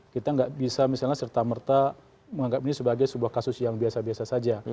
kita nggak bisa misalnya serta merta menganggap ini sebagai sebuah kasus yang biasa biasa saja